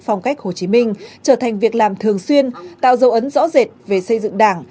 phong cách hồ chí minh trở thành việc làm thường xuyên tạo dấu ấn rõ rệt về xây dựng đảng